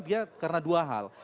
dia karena dua hal